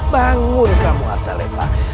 bangun kamu arda lepak